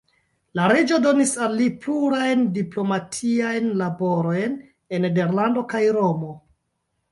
La reĝo donis al li plurajn diplomatiajn laborojn en Nederlando kaj Romo.